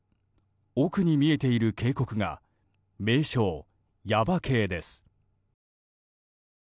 奥に見えている渓谷が名勝・耶馬渓です。